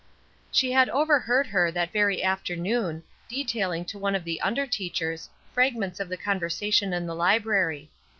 She had overheard her, that very afternoon, detailing to one of the under teachers, fragments of the conversation in the library.